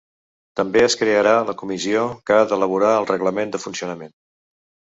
També es crearà la comissió que ha d’elaborar el reglament de funcionament.